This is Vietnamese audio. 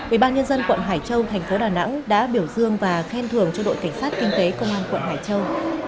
ủy ban nhân dân quận hải châu thành phố đà nẵng đã biểu dương và khen thường cho đội cảnh sát kinh tế công an quận hải châu